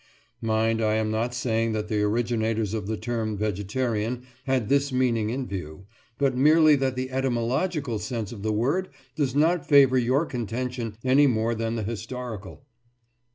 Mind, I am not saying that the originators of the term "vegetarian" had this meaning in view, but merely that the etymological sense of the word does not favour your contention any more than the historical.